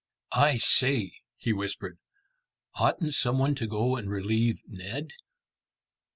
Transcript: "I say," he whispered, "oughtn't some one to go and relieve Ned?"